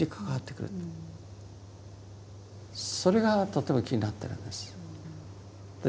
それがとても気になってるんです。